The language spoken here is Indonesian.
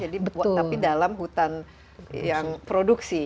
jadi buat tapi dalam hutan yang produksi